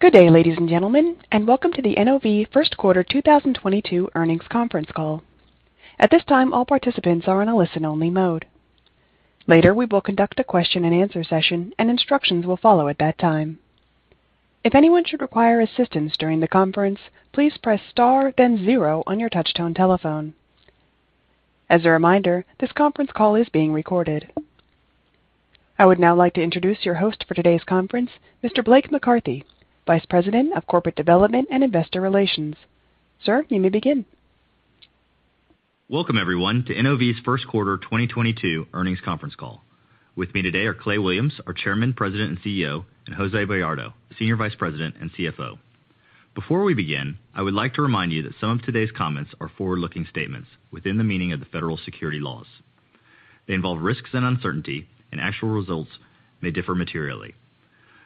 Good day, ladies and gentlemen, and welcome to the NOV first quarter 2022 earnings conference call. At this time, all participants are in a listen-only mode. Later, we will conduct a question-and-answer session and instructions will follow at that time. If anyone should require assistance during the conference, please press star then zero on your touchtone telephone. As a reminder, this conference is being recorded. I would now like to introduce your host for today's conference, Mr. Blake McCarthy, Vice President of Corporate Development and Investor Relations. Sir, you may begin. Welcome, everyone, to NOV's first quarter 2022 earnings conference call. With me today are Clay Williams, our Chairman, President, and CEO, and Jose Bayardo, Senior Vice President and CFO. Before we begin, I would like to remind you that some of today's comments are forward-looking statements within the meaning of the federal securities laws. They involve risks and uncertainties, and actual results may differ materially.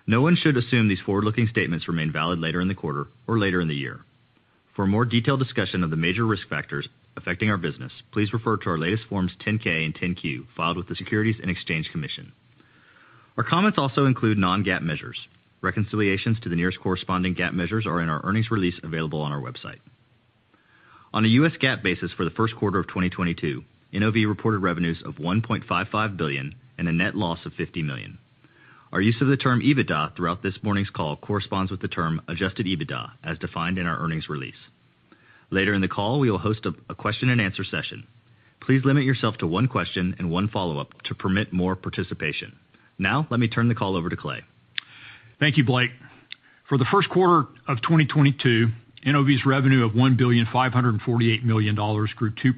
No one should assume these forward-looking statements remain valid later in the quarter or later in the year. For a more detailed discussion of the major risk factors affecting our business, please refer to our latest Forms 10-K and 10-Q filed with the Securities and Exchange Commission. Our comments also include non-GAAP measures. Reconciliations to the nearest corresponding GAAP measures are in our earnings release available on our website. On a U.S. GAAP basis for the first quarter of 2022, NOV reported revenues of $1.55 billion and a net loss of $50 million. Our use of the term EBITDA throughout this morning's call corresponds with the term adjusted EBITDA as defined in our earnings release. Later in the call, we will host a question-and-answer session. Please limit yourself to one question and one follow-up to permit more participation. Now, let me turn the call over to Clay. Thank you, Blake. For the first quarter of 2022, NOV's revenue of $1.548 billion grew 2%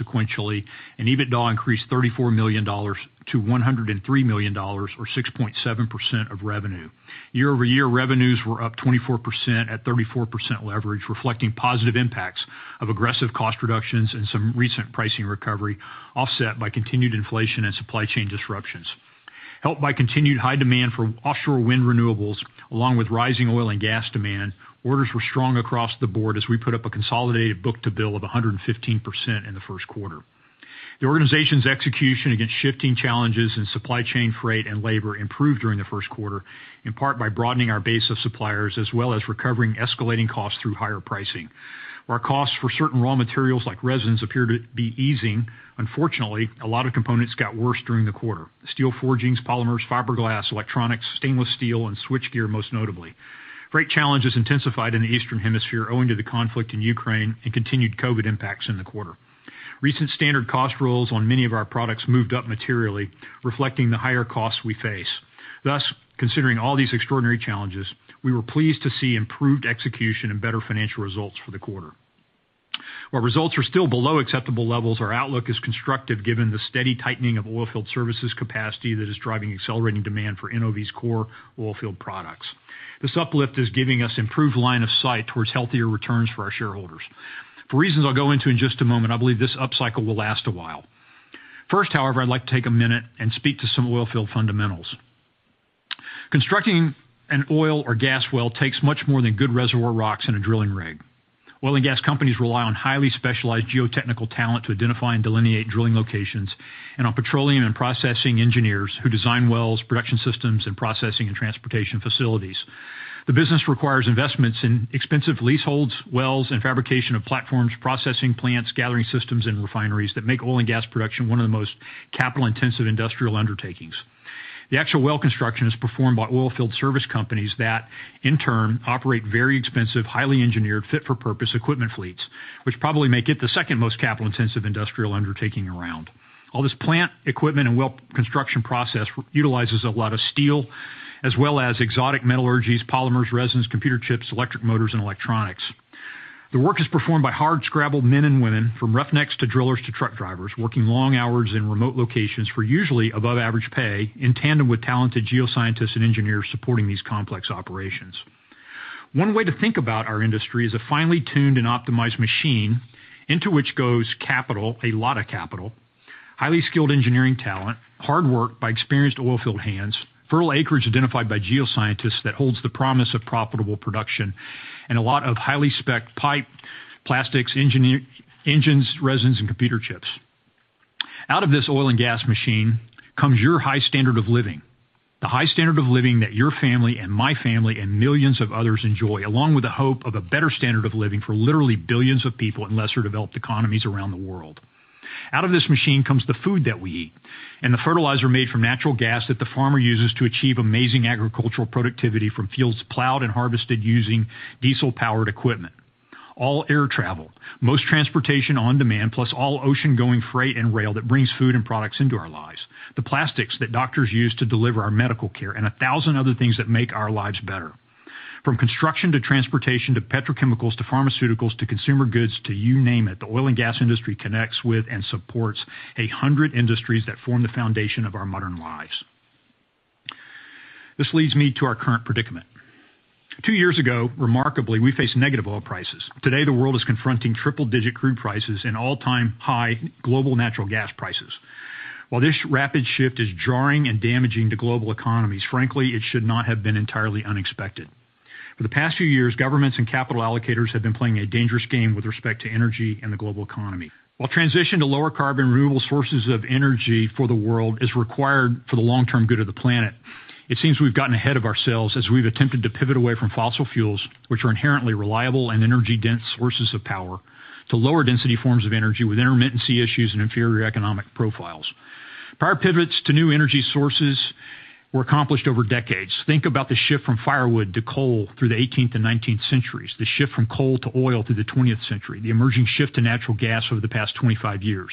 sequentially, and EBITDA increased $34 million to $103 million or 6.7% of revenue. Year-over-year revenues were up 24% at 34% leverage, reflecting positive impacts of aggressive cost reductions and some recent pricing recovery, offset by continued inflation and supply chain disruptions. Helped by continued high demand for offshore wind renewables, along with rising oil and gas demand, orders were strong across the board as we put up a consolidated book-to-bill of 115% in the first quarter. The organization's execution against shifting challenges in supply chain freight and labor improved during the first quarter, in part by broadening our base of suppliers as well as recovering escalating costs through higher pricing. Where costs for certain raw materials like resins appear to be easing, unfortunately, a lot of components got worse during the quarter. Steel forgings, polymers, fiberglass, electronics, stainless steel, and switchgear, most notably. Freight challenges intensified in the Eastern Hemisphere owing to the conflict in Ukraine and continued COVID impacts in the quarter. Recent standard cost rules on many of our products moved up materially, reflecting the higher costs we face. Thus, considering all these extraordinary challenges, we were pleased to see improved execution and better financial results for the quarter. While results are still below acceptable levels, our outlook is constructive given the steady tightening of oilfield services capacity that is driving accelerating demand for NOV's core oilfield products. This uplift is giving us improved line of sight towards healthier returns for our shareholders. For reasons I'll go into in just a moment, I believe this upcycle will last a while. First, however, I'd like to take a minute and speak to some oilfield fundamentals. Constructing an oil or gas well takes much more than good reservoir rocks and a drilling rig. Oil and gas companies rely on highly specialized geotechnical talent to identify and delineate drilling locations, and on petroleum and processing engineers who design wells, production systems, and processing and transportation facilities. The business requires investments in expensive leaseholds, wells, and fabrication of platforms, processing plants, gathering systems, and refineries that make oil and gas production one of the most capital-intensive industrial undertakings. The actual well construction is performed by oilfield service companies that, in turn, operate very expensive, highly engineered, fit-for-purpose equipment fleets, which probably make it the second most capital-intensive industrial undertaking around. All this plant, equipment, and well construction process utilizes a lot of steel as well as exotic metallurgies, polymers, resins, computer chips, electric motors, and electronics. The work is performed by hardscrabble men and women, from roughnecks to drillers to truck drivers, working long hours in remote locations for usually above average pay in tandem with talented geoscientists and engineers supporting these complex operations. One way to think about our industry is a finely tuned and optimized machine into which goes capital, a lot of capital, highly skilled engineering talent, hard work by experienced oil field hands, fertile acreage identified by geoscientists that holds the promise of profitable production, and a lot of highly spec'd pipe, plastics, engines, resins, and computer chips. Out of this oil and gas machine comes your high standard of living, the high standard of living that your family and my family and millions of others enjoy, along with the hope of a better standard of living for literally billions of people in lesser developed economies around the world. Out of this machine comes the food that we eat and the fertilizer made from natural gas that the farmer uses to achieve amazing agricultural productivity from fields plowed and harvested using diesel-powered equipment. All air travel, most transportation on demand, plus all ocean-going freight and rail that brings food and products into our lives. The plastics that doctors use to deliver our medical care, and a thousand other things that make our lives better. From construction to transportation, to petrochemicals, to pharmaceuticals, to consumer goods, to you name it, the oil and gas industry connects with and supports a hundred industries that form the foundation of our modern lives. This leads me to our current predicament. Two years ago, remarkably, we faced negative oil prices. Today, the world is confronting triple-digit crude prices and all-time high global natural gas prices. While this rapid shift is jarring and damaging to global economies, frankly, it should not have been entirely unexpected. For the past few years, governments and capital allocators have been playing a dangerous game with respect to energy and the global economy. While transition to lower carbon renewable sources of energy for the world is required for the long-term good of the planet. It seems we've gotten ahead of ourselves as we've attempted to pivot away from fossil fuels, which are inherently reliable and energy-dense sources of power, to lower density forms of energy with intermittency issues and inferior economic profiles. Prior pivots to new energy sources were accomplished over decades. Think about the shift from firewood to coal through the eighteenth and nineteenth centuries, the shift from coal to oil through the twentieth century, the emerging shift to natural gas over the past 25 years.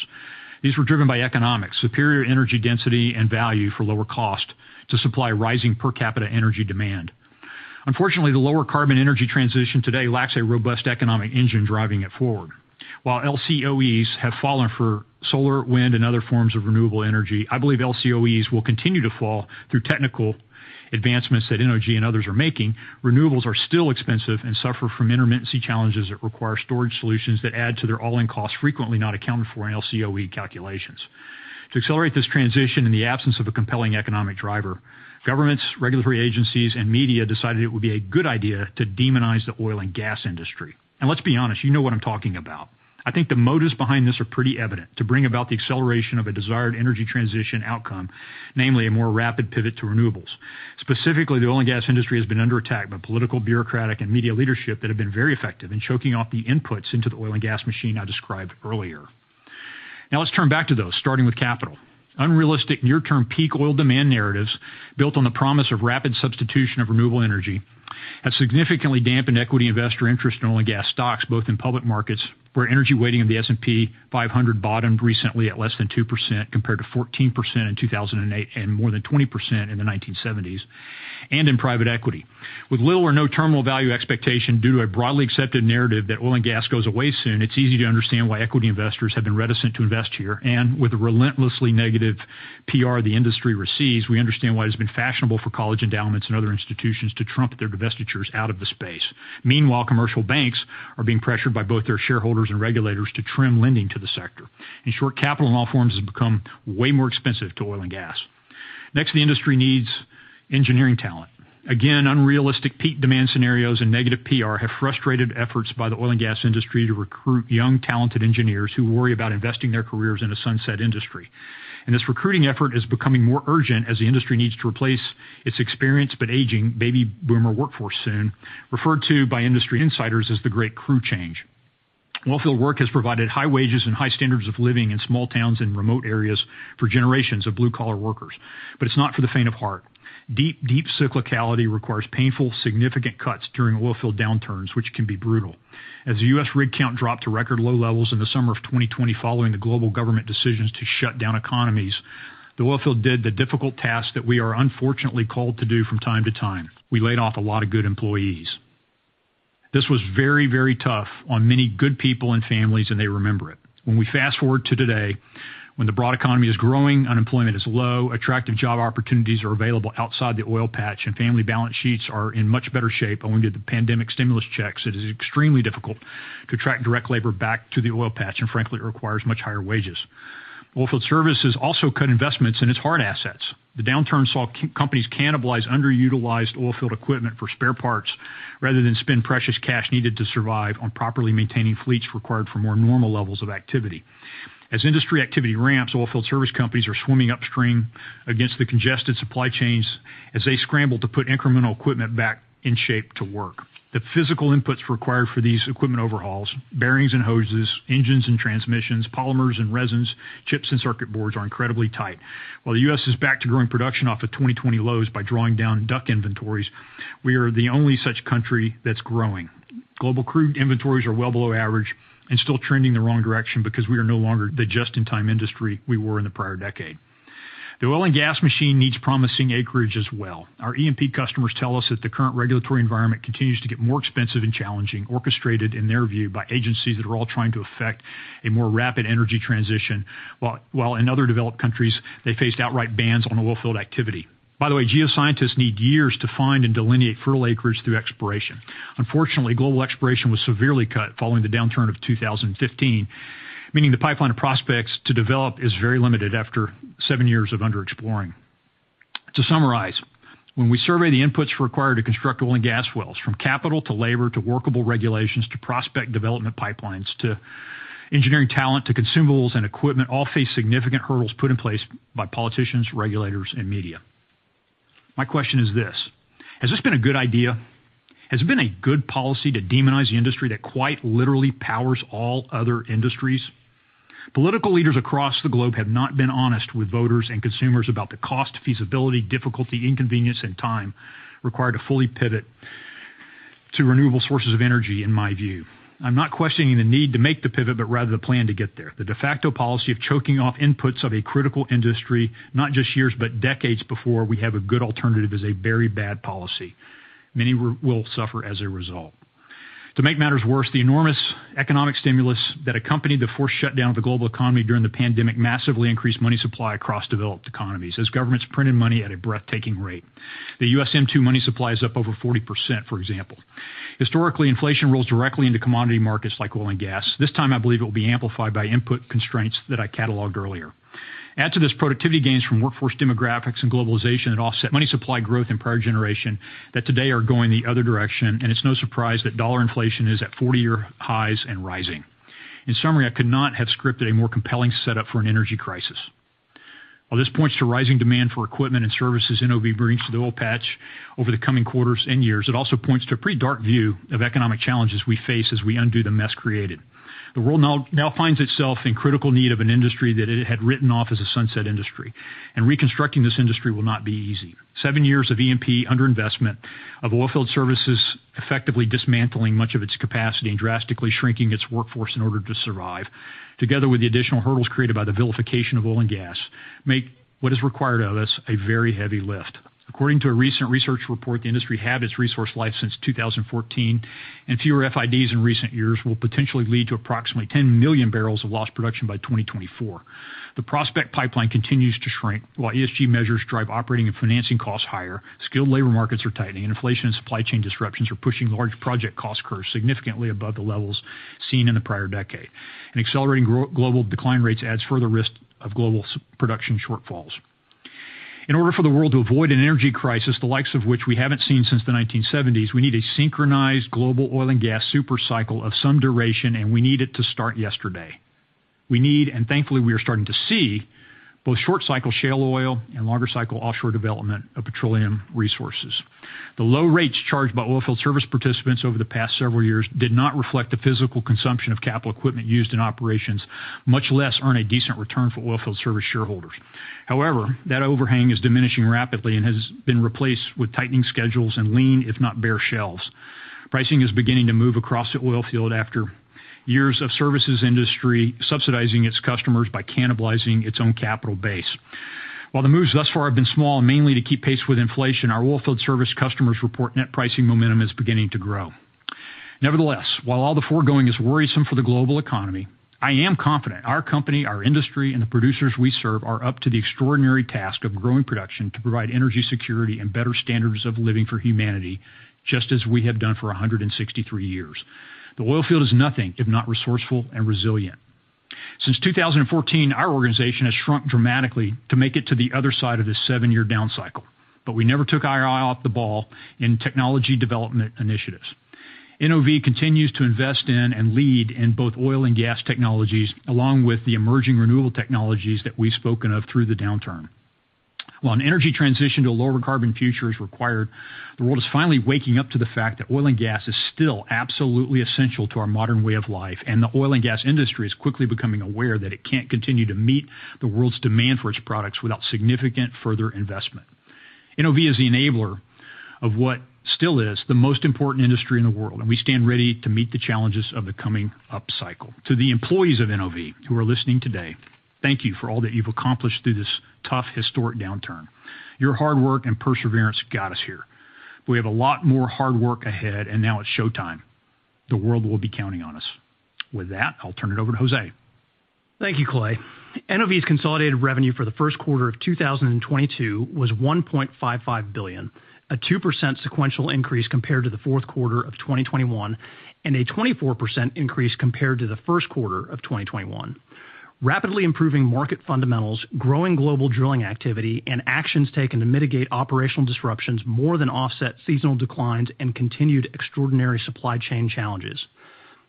These were driven by economics, superior energy density, and value for lower cost to supply rising per capita energy demand. Unfortunately, the lower carbon energy transition today lacks a robust economic engine driving it forward. While LCOEs have fallen for solar, wind, and other forms of renewable energy, I believe LCOEs will continue to fall through technical advancements that NRG and others are making. Renewables are still expensive and suffer from intermittency challenges that require storage solutions that add to their all-in costs, frequently not accounted for in LCOE calculations. To accelerate this transition in the absence of a compelling economic driver, governments, regulatory agencies, and media decided it would be a good idea to demonize the oil and gas industry. Let's be honest, you know what I'm talking about. I think the motives behind this are pretty evident to bring about the acceleration of a desired energy transition outcome, namely a more rapid pivot to renewables. Specifically, the oil and gas industry has been under attack by political, bureaucratic, and media leadership that have been very effective in choking off the inputs into the oil and gas machine I described earlier. Now let's turn back to those, starting with capital. Unrealistic near-term peak oil demand narratives built on the promise of rapid substitution of renewable energy have significantly dampened equity investor interest in oil and gas stocks, both in public markets, where energy weighting of the S&P 500 bottomed recently at less than 2% compared to 14% in 2008 and more than 20% in the 1970s, and in private equity. With little or no terminal value expectation due to a broadly accepted narrative that oil and gas goes away soon, it's easy to understand why equity investors have been reticent to invest here. With the relentlessly negative PR the industry receives, we understand why it's been fashionable for college endowments and other institutions to trump their divestitures out of the space. Meanwhile, commercial banks are being pressured by both their shareholders and regulators to trim lending to the sector. In short, capital in all forms has become way more expensive to oil and gas. Next, the industry needs engineering talent. Again, unrealistic peak demand scenarios and negative PR have frustrated efforts by the oil and gas industry to recruit young talented engineers who worry about investing their careers in a sunset industry. This recruiting effort is becoming more urgent as the industry needs to replace its experienced but aging baby boomer workforce soon, referred to by industry insiders as the great crew change. Oilfield work has provided high wages and high standards of living in small towns and remote areas for generations of blue-collar workers. It's not for the faint of heart. Deep, deep cyclicality requires painful, significant cuts during oilfield downturns, which can be brutal. As the U.S. rig count dropped to record low levels in the summer of 2020 following the global government decisions to shut down economies, the oilfield did the difficult task that we are unfortunately called to do from time to time. We laid off a lot of good employees. This was very, very tough on many good people and families, and they remember it. When we fast-forward to today, when the broad economy is growing, unemployment is low, attractive job opportunities are available outside the oil patch, and family balance sheets are in much better shape owing to the pandemic stimulus checks, it is extremely difficult to attract direct labor back to the oil patch, and frankly, it requires much higher wages. Oilfield services also cut investments in its hard assets. The downturn saw companies cannibalize underutilized oilfield equipment for spare parts rather than spend precious cash needed to survive on properly maintaining fleets required for more normal levels of activity. As industry activity ramps, oilfield service companies are swimming upstream against the congested supply chains as they scramble to put incremental equipment back in shape to work. The physical inputs required for these equipment overhauls, bearings and hoses, engines and transmissions, polymers and resins, chips and circuit boards are incredibly tight. While the U.S. is back to growing production off of 2020 lows by drawing down DUC inventories, we are the only such country that's growing. Global crude inventories are well below average and still trending the wrong direction because we are no longer the just-in-time industry we were in the prior decade. The oil and gas machine needs promising acreage as well. Our E&P customers tell us that the current regulatory environment continues to get more expensive and challenging, orchestrated, in their view, by agencies that are all trying to affect a more rapid energy transition, while in other developed countries, they faced outright bans on oil field activity. By the way, geoscientists need years to find and delineate fertile acres through exploration. Unfortunately, global exploration was severely cut following the downturn of 2015, meaning the pipeline of prospects to develop is very limited after seven years of underexploring. To summarize, when we survey the inputs required to construct oil and gas wells, from capital to labor to workable regulations to prospect development pipelines to engineering talent to consumables and equipment all face significant hurdles put in place by politicians, regulators, and media. My question is this. Has this been a good idea? Has it been a good policy to demonize the industry that quite literally powers all other industries? Political leaders across the globe have not been honest with voters and consumers about the cost, feasibility, difficulty, inconvenience, and time required to fully pivot to renewable sources of energy, in my view. I'm not questioning the need to make the pivot, but rather the plan to get there. The de facto policy of choking off inputs of a critical industry, not just years but decades before we have a good alternative, is a very bad policy. Many will suffer as a result. To make matters worse, the enormous economic stimulus that accompanied the forced shutdown of the global economy during the pandemic massively increased money supply across developed economies as governments printed money at a breathtaking rate. The US M2 money supply is up over 40%, for example. Historically, inflation rolls directly into commodity markets like oil and gas. This time, I believe it will be amplified by input constraints that I cataloged earlier. Add to this productivity gains from workforce demographics and globalization that offset money supply growth in prior generation that today are going the other direction, and it's no surprise that dollar inflation is at 40-year highs and rising. In summary, I could not have scripted a more compelling setup for an energy crisis. While this points to rising demand for equipment and services NOV brings to the oil patch over the coming quarters and years, it also points to a pretty dark view of economic challenges we face as we undo the mess created. The world now finds itself in critical need of an industry that it had written off as a sunset industry, and reconstructing this industry will not be easy. Seven years of E&P underinvestment of oilfield services, effectively dismantling much of its capacity and drastically shrinking its workforce in order to survive, together with the additional hurdles created by the vilification of oil and gas, make what is required out of this a very heavy lift. According to a recent research report, the industry halved its resource life since 2014, and fewer FIDs in recent years will potentially lead to approximately 10 million barrels of lost production by 2024. The prospect pipeline continues to shrink while ESG measures drive operating and financing costs higher. Skilled labor markets are tightening, and inflation and supply chain disruptions are pushing large project cost curves significantly above the levels seen in the prior decade. Accelerating global decline rates adds further risk of global production shortfalls. In order for the world to avoid an energy crisis, the likes of which we haven't seen since the 1970s, we need a synchronized global oil and gas supercycle of some duration, and we need it to start yesterday. We need, and thankfully, we are starting to see, both short-cycle shale oil and longer-cycle offshore development of petroleum resources. The low rates charged by oilfield service participants over the past several years did not reflect the physical consumption of capital equipment used in operations, much less earn a decent return for oilfield service shareholders. However, that overhang is diminishing rapidly and has been replaced with tightening schedules and lean, if not bare shelves. Pricing is beginning to move across the oilfield after years of service industry subsidizing its customers by cannibalizing its own capital base. While the moves thus far have been small, mainly to keep pace with inflation, our oilfield service customers report net pricing momentum is beginning to grow. Nevertheless, while all the foregoing is worrisome for the global economy, I am confident our company, our industry, and the producers we serve are up to the extraordinary task of growing production to provide energy security and better standards of living for humanity, just as we have done for 163 years. The oil field is nothing if not resourceful and resilient. Since 2014, our organization has shrunk dramatically to make it to the other side of this 7-year down cycle, but we never took our eye off the ball in technology development initiatives. NOV continues to invest in and lead in both oil and gas technologies, along with the emerging renewable technologies that we've spoken of through the downturn. While an energy transition to a lower carbon future is required, the world is finally waking up to the fact that oil and gas is still absolutely essential to our modern way of life, and the oil and gas industry is quickly becoming aware that it can't continue to meet the world's demand for its products without significant further investment. NOV is the enabler of what still is the most important industry in the world, and we stand ready to meet the challenges of the coming upcycle. To the employees of NOV who are listening today, thank you for all that you've accomplished through this tough, historic downturn. Your hard work and perseverance got us here. We have a lot more hard work ahead, and now it's showtime. The world will be counting on us. With that, I'll turn it over to Jose. Thank you, Clay. NOV's consolidated revenue for the first quarter of 2022 was $1.55 billion, a 2% sequential increase compared to the fourth quarter of 2021, and a 24% increase compared to the first quarter of 2021. Rapidly improving market fundamentals, growing global drilling activity, and actions taken to mitigate operational disruptions more than offset seasonal declines and continued extraordinary supply chain challenges.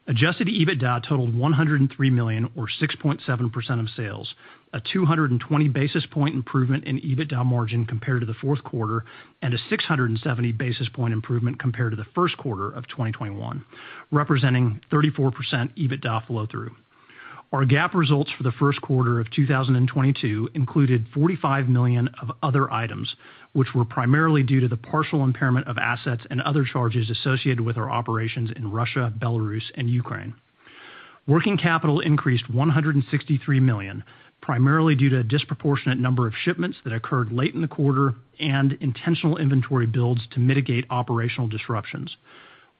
Adjusted EBITDA totaled $103 million or 6.7% of sales, a 220 basis point improvement in EBITDA margin compared to the fourth quarter, and a 670 basis point improvement compared to the first quarter of 2021, representing 34% EBITDA flow-through. Our GAAP results for the first quarter of 2022 included $45 million of other items, which were primarily due to the partial impairment of assets and other charges associated with our operations in Russia, Belarus, and Ukraine. Working capital increased $163 million, primarily due to a disproportionate number of shipments that occurred late in the quarter and intentional inventory builds to mitigate operational disruptions.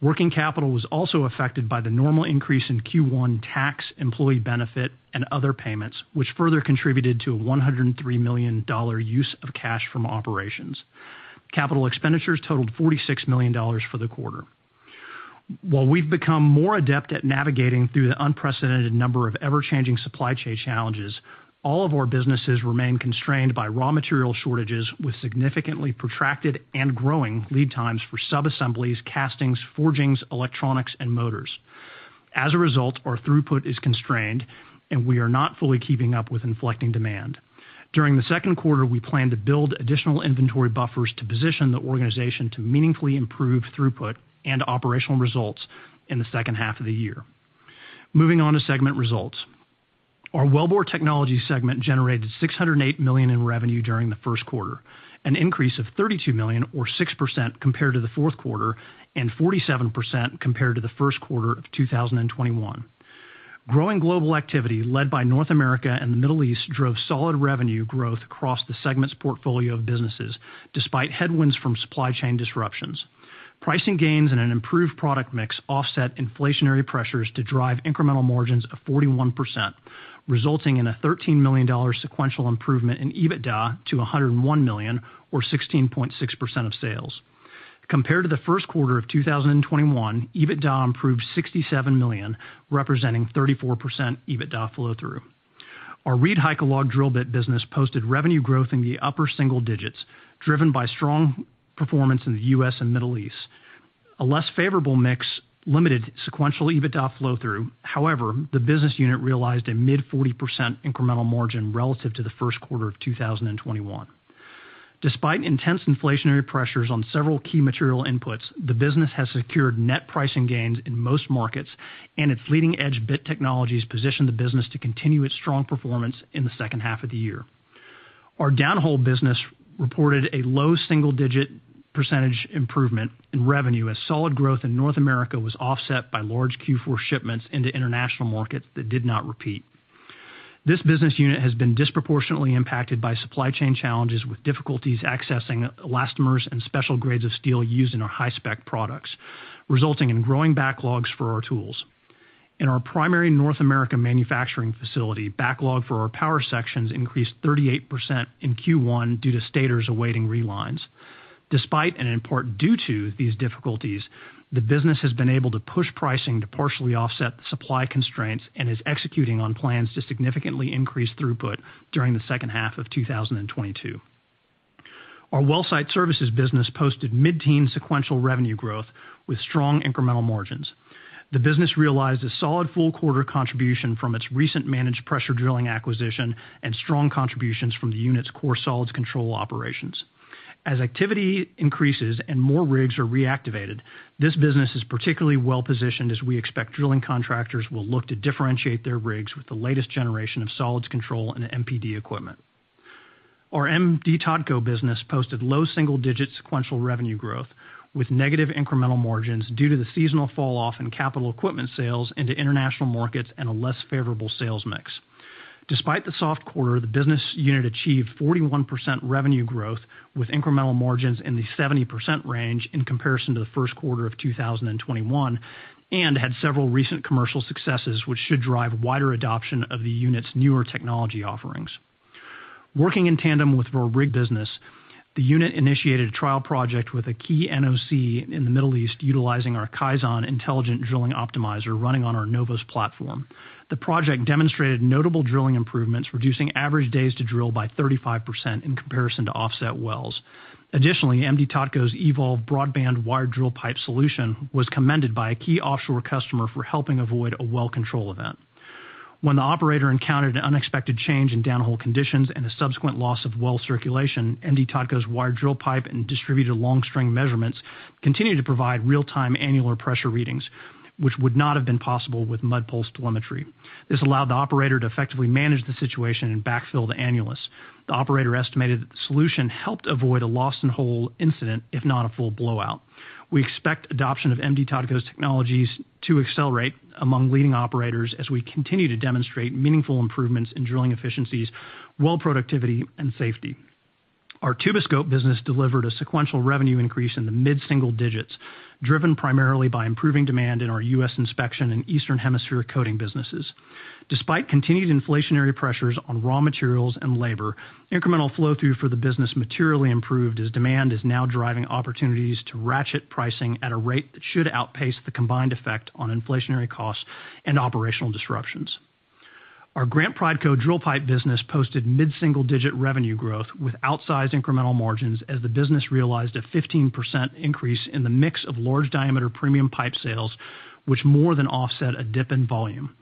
Working capital was also affected by the normal increase in Q1 tax, employee benefit, and other payments, which further contributed to a $103 million use of cash from operations. Capital expenditures totaled $46 million for the quarter. While we've become more adept at navigating through the unprecedented number of ever-changing supply chain challenges, all of our businesses remain constrained by raw material shortages, with significantly protracted and growing lead times for subassemblies, castings, forgings, electronics, and motors. As a result, our throughput is constrained and we are not fully keeping up with inflecting demand. During the second quarter, we plan to build additional inventory buffers to position the organization to meaningfully improve throughput and operational results in the second half of the year. Moving on to segment results. Our Wellbore Technologies segment generated $608 million in revenue during the first quarter, an increase of $32 million or 6% compared to the fourth quarter and 47% compared to the first quarter of 2021. Growing global activity led by North America and the Middle East drove solid revenue growth across the segment's portfolio of businesses, despite headwinds from supply chain disruptions. Pricing gains and an improved product mix offset inflationary pressures to drive incremental margins of 41%, resulting in a $13 million sequential improvement in EBITDA to $101 million or 16.6% of sales. Compared to the first quarter of 2021, EBITDA improved $67 million, representing 34% EBITDA flow-through. Our ReedHycalog drill bit business posted revenue growth in the upper single digits, driven by strong performance in the U.S. and Middle East. A less favorable mix limited sequential EBITDA flow-through. However, the business unit realized a mid-40% incremental margin relative to the first quarter of 2021. Despite intense inflationary pressures on several key material inputs, the business has secured net pricing gains in most markets, and its leading-edge bit technologies position the business to continue its strong performance in the second half of the year. Our downhole business reported a low single-digit % improvement in revenue as solid growth in North America was offset by large Q4 shipments into international markets that did not repeat. This business unit has been disproportionately impacted by supply chain challenges, with difficulties accessing elastomers and special grades of steel used in our high-spec products, resulting in growing backlogs for our tools. In our primary North American manufacturing facility, backlog for our power sections increased 38% in Q1 due to stators awaiting relines. Despite and in part due to these difficulties, the business has been able to push pricing to partially offset the supply constraints and is executing on plans to significantly increase throughput during the second half of 2022. Our wellsite services business posted mid-teen sequential revenue growth with strong incremental margins. The business realized a solid full quarter contribution from its recent managed pressure drilling acquisition and strong contributions from the unit's core solids control operations. As activity increases and more rigs are reactivated, this business is particularly well-positioned, as we expect drilling contractors will look to differentiate their rigs with the latest generation of solids control and MPD equipment. Our M/D Totco business posted low single-digit sequential revenue growth with negative incremental margins due to the seasonal falloff in capital equipment sales into international markets and a less favorable sales mix. Despite the soft quarter, the business unit achieved 41% revenue growth with incremental margins in the 70% range in comparison to the first quarter of 2021 and had several recent commercial successes, which should drive wider adoption of the unit's newer technology offerings. Working in tandem with our rig business, the unit initiated a trial project with a key NOC in the Middle East utilizing our KAIZEN intelligent drilling optimizer running on our NOVOS platform. The project demonstrated notable drilling improvements, reducing average days to drill by 35% in comparison to offset wells. Additionally, M/D Totco's eVolve broadband wired drill pipe solution was commended by a key offshore customer for helping avoid a well control event. When the operator encountered an unexpected change in downhole conditions and a subsequent loss of well circulation, M/D Totco's wired drill pipe and distributed long string measurements continued to provide real-time annular pressure readings, which would not have been possible with mud pulse telemetry. This allowed the operator to effectively manage the situation and backfill the annulus. The operator estimated that the solution helped avoid a loss in hole incident, if not a full blowout. We expect adoption of M/D Totco's technologies to accelerate among leading operators as we continue to demonstrate meaningful improvements in drilling efficiencies, well productivity, and safety. Our Tuboscope business delivered a sequential revenue increase in the mid-single digits, driven primarily by improving demand in our U.S. inspection and Eastern Hemisphere coating businesses. Despite continued inflationary pressures on raw materials and labor, incremental flow-through for the business materially improved as demand is now driving opportunities to ratchet pricing at a rate that should outpace the combined effect on inflationary costs and operational disruptions. Our Grant Prideco drill pipe business posted mid-single-digit revenue growth with outsized incremental margins as the business realized a 15% increase in the mix of large-diameter premium pipe sales, which more than offset a dip in volume.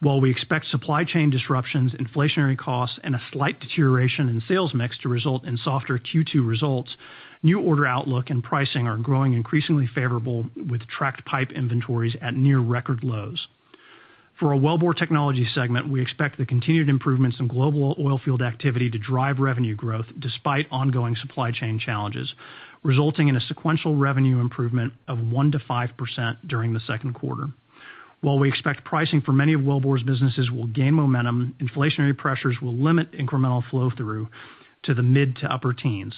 While we expect supply chain disruptions, inflationary costs, and a slight deterioration in sales mix to result in softer Q2 results, new order outlook and pricing are growing increasingly favorable with tracked pipe inventories at near-record lows. For our Wellbore Technologies segment, we expect the continued improvements in global oilfield activity to drive revenue growth despite ongoing supply chain challenges, resulting in a sequential revenue improvement of 1%-5% during the second quarter. While we expect pricing for many of Wellbore's businesses will gain momentum, inflationary pressures will limit incremental flow-through to the mid to upper teens.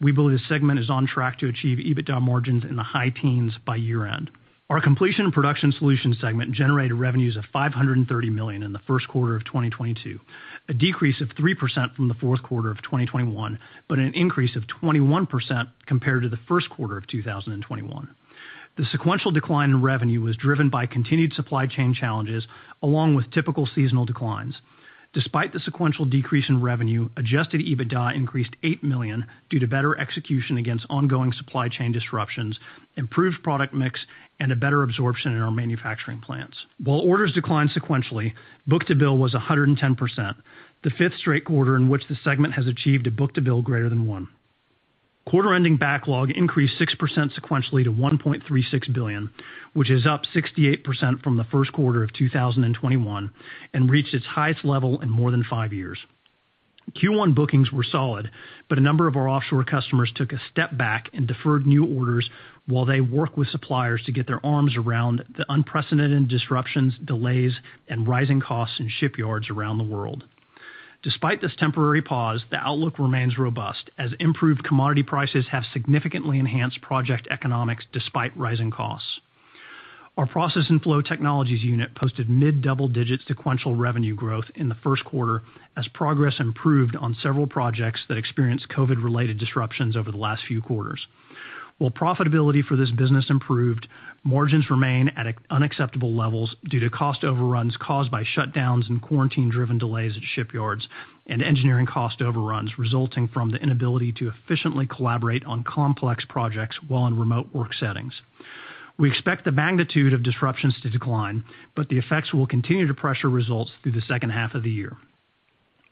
We believe the segment is on track to achieve EBITDA margins in the high teens by year-end. Our Completion and Production Solutions segment generated revenues of $530 million in the first quarter of 2022, a decrease of 3% from the fourth quarter of 2021, but an increase of 21% compared to the first quarter of 2021. The sequential decline in revenue was driven by continued supply chain challenges along with typical seasonal declines. Despite the sequential decrease in revenue, adjusted EBITDA increased $8 million due to better execution against ongoing supply chain disruptions, improved product mix, and a better absorption in our manufacturing plants. While orders declined sequentially, book-to-bill was 110%, the fifth straight quarter in which the segment has achieved a book-to-bill greater than one. Quarter-ending backlog increased 6% sequentially to $1.36 billion, which is up 68% from the first quarter of 2021 and reached its highest level in more than five years. Q1 bookings were solid, but a number of our offshore customers took a step back and deferred new orders while they work with suppliers to get their arms around the unprecedented disruptions, delays, and rising costs in shipyards around the world. Despite this temporary pause, the outlook remains robust as improved commodity prices have significantly enhanced project economics despite rising costs. Our Process and Flow Technologies unit posted mid-double-digit sequential revenue growth in the first quarter as progress improved on several projects that experienced COVID-related disruptions over the last few quarters. While profitability for this business improved, margins remain at unacceptable levels due to cost overruns caused by shutdowns and quarantine-driven delays at shipyards and engineering cost overruns resulting from the inability to efficiently collaborate on complex projects while in remote work settings. We expect the magnitude of disruptions to decline, but the effects will continue to pressure results through the second half of the year.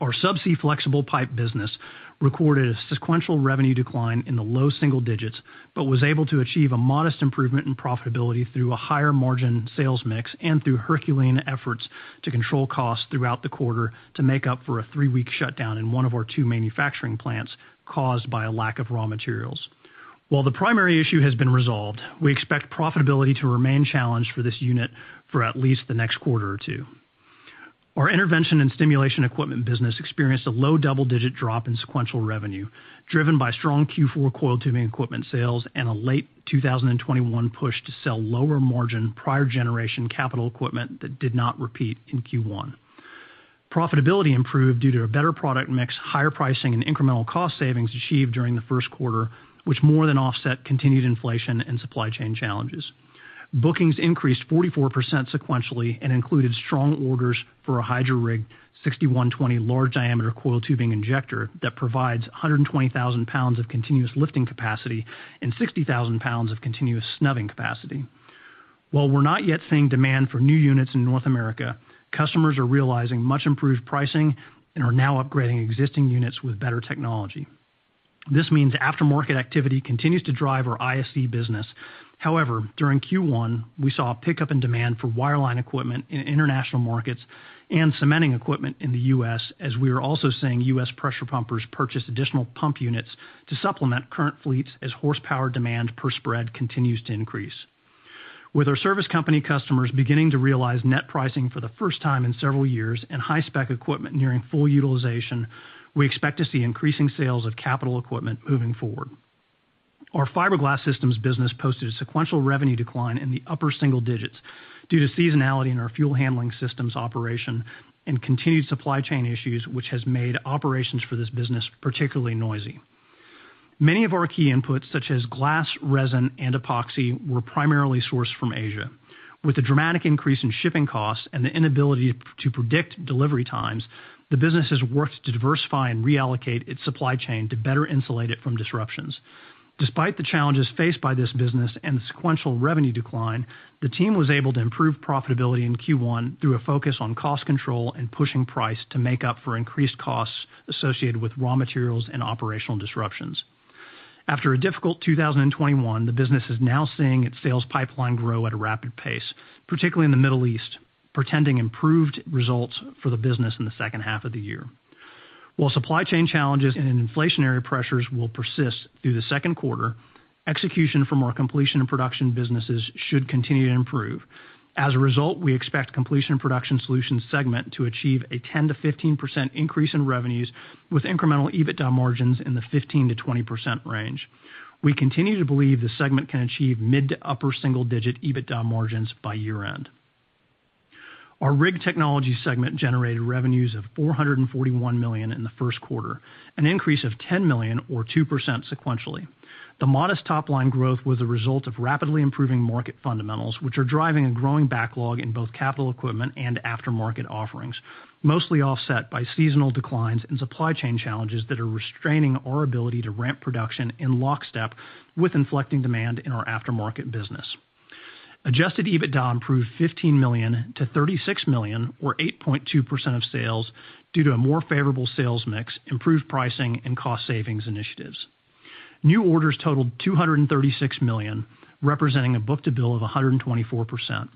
Our subsea flexible pipe business recorded a sequential revenue decline in the low single digits, but was able to achieve a modest improvement in profitability through a higher margin sales mix and through herculean efforts to control costs throughout the quarter to make up for a 3-week shutdown in one of our two manufacturing plants caused by a lack of raw materials. While the primary issue has been resolved, we expect profitability to remain challenged for this unit for at least the next quarter or two. Our intervention and stimulation equipment business experienced a low double-digit drop in sequential revenue, driven by strong Q4 coiled tubing equipment sales and a late 2021 push to sell lower margin prior generation capital equipment that did not repeat in Q1. Profitability improved due to a better product mix, higher pricing and incremental cost savings achieved during the first quarter, which more than offset continued inflation and supply chain challenges. Bookings increased 44% sequentially and included strong orders for a Hydra Rig 61-20 large diameter coiled tubing injector that provides 120,000 pounds of continuous lifting capacity and 60,000 pounds of continuous snubbing capacity. While we're not yet seeing demand for new units in North America, customers are realizing much improved pricing and are now upgrading existing units with better technology. This means aftermarket activity continues to drive our ISE business. However, during Q1, we saw a pickup in demand for wireline equipment in international markets and cementing equipment in the U.S., as we are also seeing U.S. pressure pumpers purchase additional pump units to supplement current fleets as horsepower demand per spread continues to increase. With our service company customers beginning to realize net pricing for the first time in several years and high-spec equipment nearing full utilization, we expect to see increasing sales of capital equipment moving forward. Our fiberglass systems business posted a sequential revenue decline in the upper single digits due to seasonality in our fuel handling systems operation and continued supply chain issues, which has made operations for this business particularly noisy. Many of our key inputs, such as glass, resin, and epoxy, were primarily sourced from Asia. With the dramatic increase in shipping costs and the inability to predict delivery times, the business has worked to diversify and reallocate its supply chain to better insulate it from disruptions. Despite the challenges faced by this business and the sequential revenue decline, the team was able to improve profitability in Q1 through a focus on cost control and pushing price to make up for increased costs associated with raw materials and operational disruptions. After a difficult 2021, the business is now seeing its sales pipeline grow at a rapid pace, particularly in the Middle East, portending improved results for the business in the second half of the year. While supply chain challenges and inflationary pressures will persist through the second quarter, execution from our completion and production businesses should continue to improve. As a result, we expect Completion & Production Solutions segment to achieve a 10%-15% increase in revenues with incremental EBITDA margins in the 15%-20% range. We continue to believe the segment can achieve mid to upper single digit EBITDA margins by year-end. Our Rig Technologies segment generated revenues of $441 million in the first quarter, an increase of $10 million or 2% sequentially. The modest top line growth was a result of rapidly improving market fundamentals, which are driving a growing backlog in both capital equipment and aftermarket offerings, mostly offset by seasonal declines and supply chain challenges that are restraining our ability to ramp production in lockstep with inflecting demand in our aftermarket business. Adjusted EBITDA improved $15 million to $36 million, or 8.2% of sales, due to a more favorable sales mix, improved pricing and cost savings initiatives. New orders totaled $236 million, representing a book-to-bill of 124%.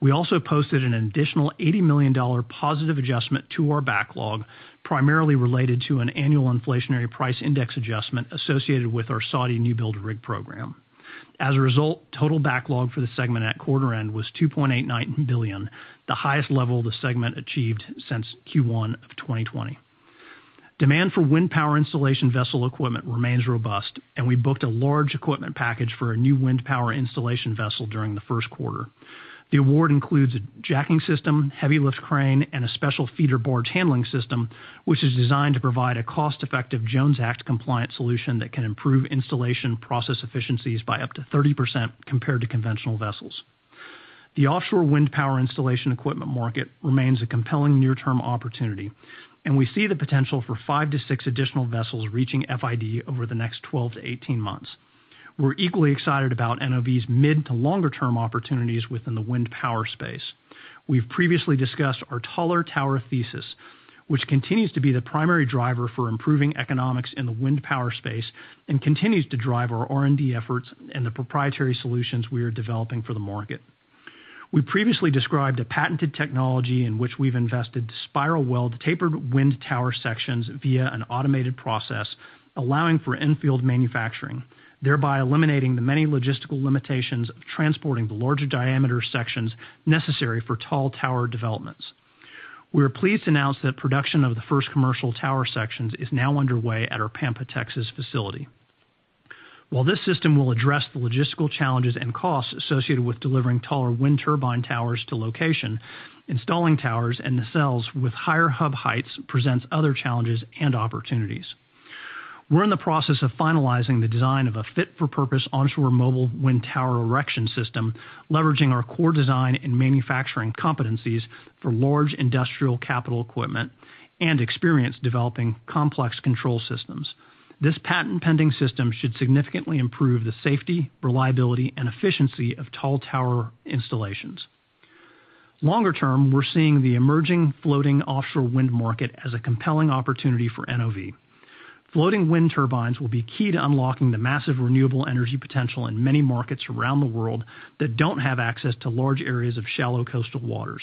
We also posted an additional $80 million positive adjustment to our backlog, primarily related to an annual inflationary price index adjustment associated with our Saudi new build rig program. As a result, total backlog for the segment at quarter end was $2.89 billion, the highest level the segment achieved since Q1 of 2020. Demand for wind power installation vessel equipment remains robust, and we booked a large equipment package for a new wind power installation vessel during the first quarter. The award includes a jacking system, heavy lift crane, and a special feeder barge handling system, which is designed to provide a cost-effective Jones Act compliant solution that can improve installation process efficiencies by up to 30% compared to conventional vessels. The offshore wind power installation equipment market remains a compelling near-term opportunity, and we see the potential for 5-6 additional vessels reaching FID over the next 12-18 months. We're equally excited about NOV's mid to longer term opportunities within the wind power space. We've previously discussed our taller tower thesis, which continues to be the primary driver for improving economics in the wind power space and continues to drive our R&D efforts and the proprietary solutions we are developing for the market. We previously described a patented technology in which we've invested spiral weld tapered wind tower sections via an automated process, allowing for infield manufacturing, thereby eliminating the many logistical limitations of transporting the larger diameter sections necessary for tall tower developments. We are pleased to announce that production of the first commercial tower sections is now underway at our Pampa, Texas facility. While this system will address the logistical challenges and costs associated with delivering taller wind turbine towers to location, installing towers and nacelles with higher hub heights presents other challenges and opportunities. We're in the process of finalizing the design of a fit-for-purpose onshore mobile wind tower erection system, leveraging our core design and manufacturing competencies for large industrial capital equipment and experience developing complex control systems. This patent-pending system should significantly improve the safety, reliability, and efficiency of tall tower installations. Longer term, we're seeing the emerging floating offshore wind market as a compelling opportunity for NOV. Floating wind turbines will be key to unlocking the massive renewable energy potential in many markets around the world that don't have access to large areas of shallow coastal waters.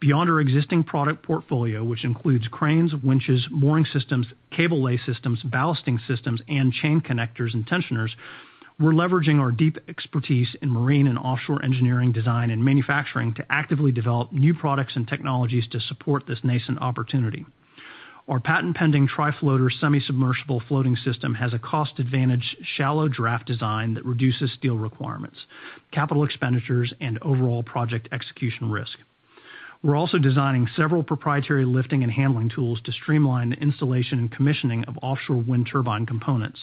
Beyond our existing product portfolio, which includes cranes, winches, mooring systems, cable lay systems, ballasting systems, and chain connectors and tensioners, we're leveraging our deep expertise in marine and offshore engineering design and manufacturing to actively develop new products and technologies to support this nascent opportunity. Our patent-pending Tri-Floater semi-submersible floating system has a cost advantage shallow draft design that reduces steel requirements, capital expenditures, and overall project execution risk. We're also designing several proprietary lifting and handling tools to streamline the installation and commissioning of offshore wind turbine components.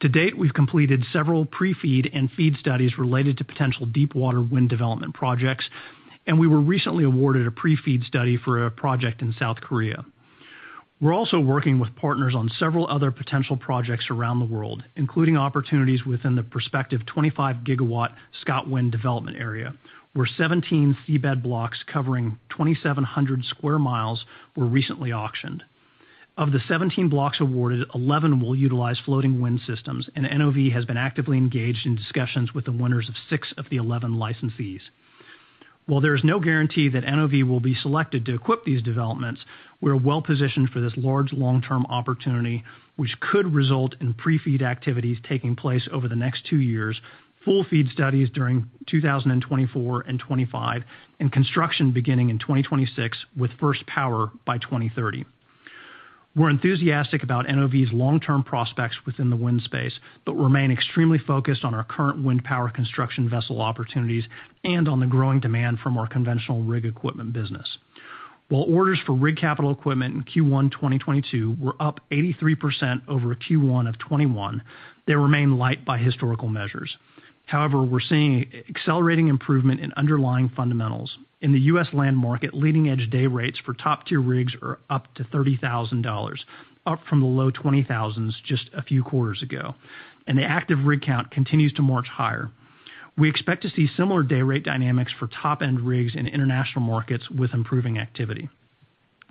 To date, we've completed several pre-FEED and FEED studies related to potential deepwater wind development projects, and we were recently awarded a pre-FEED study for a project in South Korea. We're also working with partners on several other potential projects around the world, including opportunities within the prospective 25-gigawatt ScotWind development area, where 17 seabed blocks covering 2,700 square miles were recently auctioned. Of the 17 blocks awarded, 11 will utilize floating wind systems, and NOV has been actively engaged in discussions with the winners of six of the 11 licensees. While there is no guarantee that NOV will be selected to equip these developments, we're well-positioned for this large long-term opportunity, which could result in pre-FEED activities taking place over the next two years, full FEED studies during 2024 and 2025, and construction beginning in 2026 with first power by 2030. We're enthusiastic about NOV's long-term prospects within the wind space, but remain extremely focused on our current wind power construction vessel opportunities and on the growing demand from our conventional rig equipment business. While orders for rig capital equipment in Q1 2022 were up 83% over Q1 2021, they remain light by historical measures. However, we're seeing accelerating improvement in underlying fundamentals. In the U.S. land market, leading-edge day rates for top-tier rigs are up to $30,000, up from the low 20,000s just a few quarters ago. The active rig count continues to march higher. We expect to see similar day rate dynamics for top-end rigs in international markets with improving activity.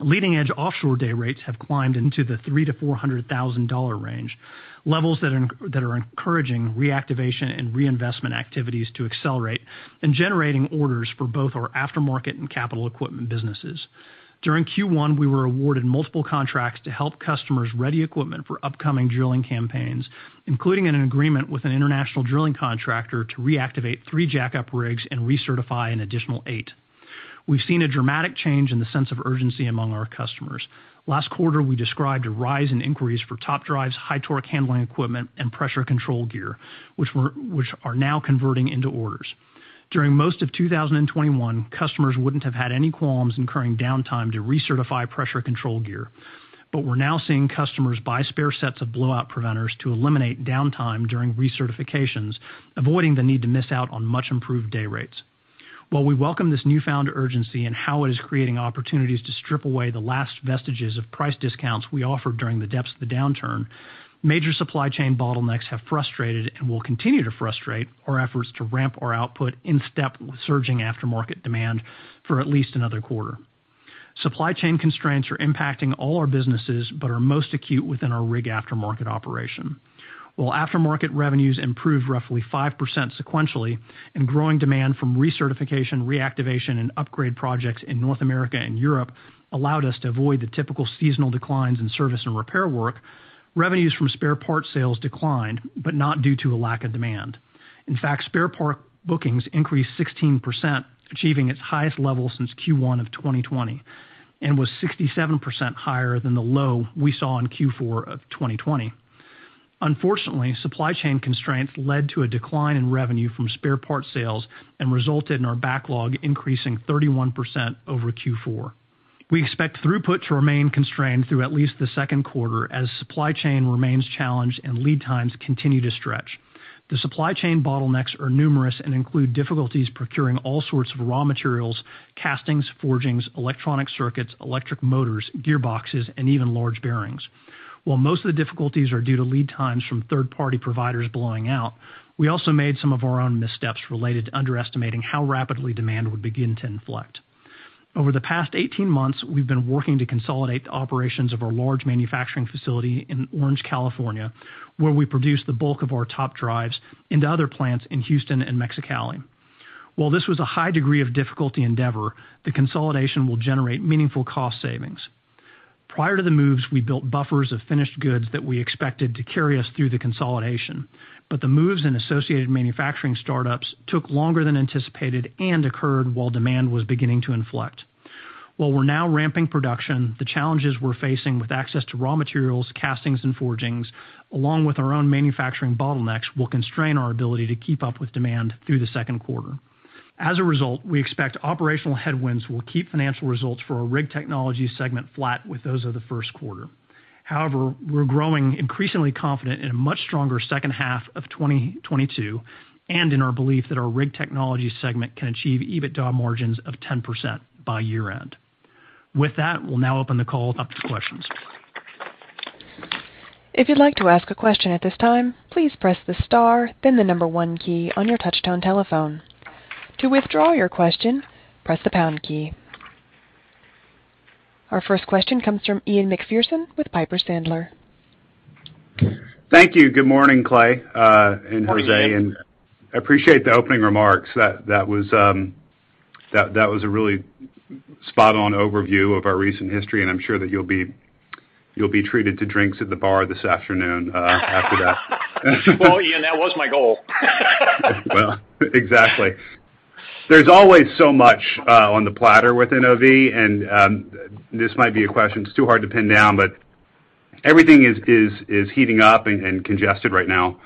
Leading-edge offshore day rates have climbed into the $300,000-$400,000 range, levels that are encouraging reactivation and reinvestment activities to accelerate and generating orders for both our aftermarket and capital equipment businesses. During Q1, we were awarded multiple contracts to help customers ready equipment for upcoming drilling campaigns, including an agreement with an international drilling contractor to reactivate 3 jack-up rigs and recertify an additional 8. We've seen a dramatic change in the sense of urgency among our customers. Last quarter, we described a rise in inquiries for top drives, high torque handling equipment, and pressure control gear, which are now converting into orders. During most of 2021, customers wouldn't have had any qualms incurring downtime to recertify pressure control gear. We're now seeing customers buy spare sets of blowout preventers to eliminate downtime during recertifications, avoiding the need to miss out on much improved day rates. While we welcome this newfound urgency and how it is creating opportunities to strip away the last vestiges of price discounts we offered during the depths of the downturn, major supply chain bottlenecks have frustrated and will continue to frustrate our efforts to ramp our output in step with surging aftermarket demand for at least another quarter. Supply chain constraints are impacting all our businesses, but are most acute within our rig aftermarket operation. While aftermarket revenues improved roughly 5% sequentially and growing demand from recertification, reactivation, and upgrade projects in North America and Europe allowed us to avoid the typical seasonal declines in service and repair work, revenues from spare parts sales declined, but not due to a lack of demand. In fact, spare part bookings increased 16%, achieving its highest level since Q1 of 2020, and was 67% higher than the low we saw in Q4 of 2020. Unfortunately, supply chain constraints led to a decline in revenue from spare parts sales and resulted in our backlog increasing 31% over Q4. We expect throughput to remain constrained through at least the second quarter as supply chain remains challenged and lead times continue to stretch. The supply chain bottlenecks are numerous and include difficulties procuring all sorts of raw materials, castings, forgings, electronic circuits, electric motors, gearboxes, and even large bearings. While most of the difficulties are due to lead times from third-party providers blowing out, we also made some of our own missteps related to underestimating how rapidly demand would begin to inflect. Over the past 18 months, we've been working to consolidate the operations of our large manufacturing facility in Orange, California, where we produce the bulk of our top drives into other plants in Houston and Mexicali. While this was a high degree of difficulty endeavor, the consolidation will generate meaningful cost savings. Prior to the moves, we built buffers of finished goods that we expected to carry us through the consolidation. The moves in associated manufacturing startups took longer than anticipated and occurred while demand was beginning to inflect. While we're now ramping production, the challenges we're facing with access to raw materials, castings, and forgings, along with our own manufacturing bottlenecks, will constrain our ability to keep up with demand through the second quarter. As a result, we expect operational headwinds will keep financial results for our Rig Technologies segment flat with those of the first quarter. However, we're growing increasingly confident in a much stronger second half of 2022 and in our belief that our Rig Technologies segment can achieve EBITDA margins of 10% by year-end. With that, we'll now open the call up to questions. If you'd like to ask a question at this time, please press the star then the number one key on your touchtone telephone. To withdraw your question, press the pound key. Our first question comes from Ian Macpherson with Piper Sandler. Thank you. Good morning, Clay, and Jose. Good morning, Ian. I appreciate the opening remarks. That was a really spot on overview of our recent history, and I'm sure that you'll be treated to drinks at the bar this afternoon, after that. Well, Ian, that was my goal. Well, exactly. There's always so much on the platter with NOV, and this might be a question that's too hard to pin down, but everything is heating up and congested right now.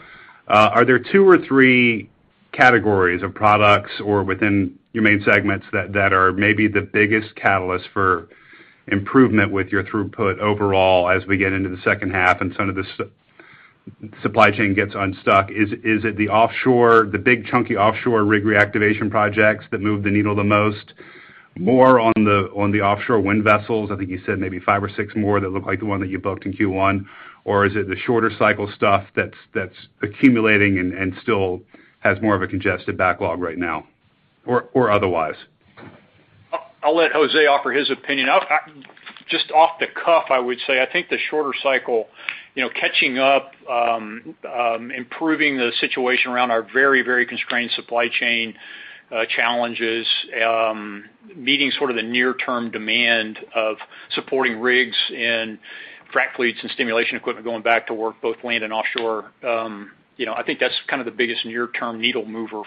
Are there two or three categories of products or within your main segments that are maybe the biggest catalyst for improvement with your throughput overall as we get into the second half and some of the supply chain gets unstuck? Is it the offshore, the big chunky offshore rig reactivation projects that move the needle the most? More on the offshore wind vessels, I think you said maybe five or six more that look like the one that you booked in Q1? Or is it the shorter cycle stuff that's accumulating and still has more of a congested backlog right now or otherwise? I'll let Jose offer his opinion. I'll just off the cuff, I would say, I think the shorter cycle, you know, catching up, improving the situation around our very, very constrained supply chain challenges, meeting sort of the near-term demand of supporting rigs and frac fleets and stimulation equipment going back to work both land and offshore. You know, I think that's kind of the biggest near-term needle mover